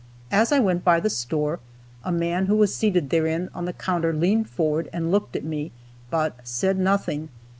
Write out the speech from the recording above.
As I went by the store, a man who was seated therein on the counter leaned forward and looked at me, but said nothing.